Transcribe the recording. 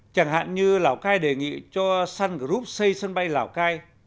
chẳng hạn như lào cai đề nghị cho sun group xây sân bay lào cai